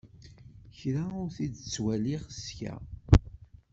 Kra ur t-id-ttwaliɣ ssya.